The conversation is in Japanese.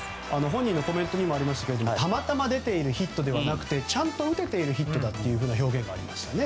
本人のコメントにもありましたがたまたま出ているヒットではなくてちゃんと打てているヒットという表現がありました。